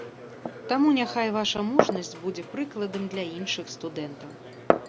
Таму няхай ваша мужнасць будзе прыкладам для іншых студэнтаў.